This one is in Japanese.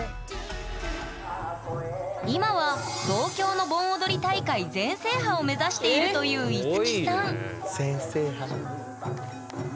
今は東京の盆踊り大会全制覇を目指しているという樹さん全制覇だ。